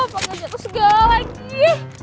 pak gajah itu segala lagi